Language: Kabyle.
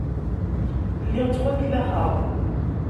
Lliɣ ttwakellaxeɣ.